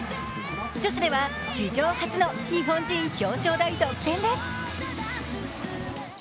女子では史上初の日本人表彰台独占です。